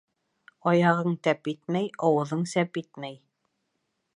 Аяғың тәп итмәй, ауыҙың сәп итмәй.